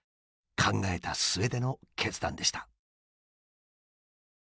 考えた末での決断でした。